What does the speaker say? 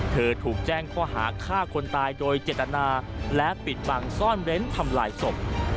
ถูกแจ้งข้อหาฆ่าคนตายโดยเจตนาและปิดบังซ่อนเร้นทำลายศพ